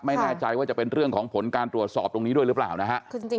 ไม่แน่ใจว่าจะเป็นเรื่องของผลการตรวจสอบตรงนี้ด้วยหรือเปล่านะฮะ